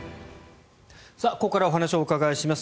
ここからお話をお伺いします